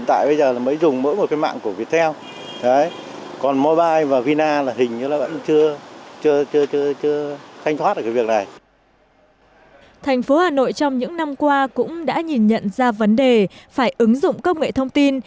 thành phố hà nội trong những năm qua cũng đã nhìn nhận ra vấn đề phải ứng dụng công nghệ thông tin